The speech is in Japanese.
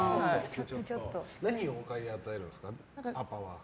何を買い与えるんですかパパは。